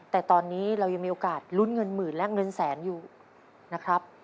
แต่ตอนนี้เรายังมีโอกาสลุ้นเงินหมื่นและเงินแสนอยู่นะครับ